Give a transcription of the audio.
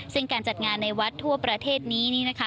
ซึ่งการจัดงานในวัดทั่วประเทศนี้นี่นะคะ